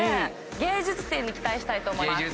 芸術点に期待したいと思います。